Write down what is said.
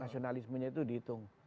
nasionalismenya itu dihitung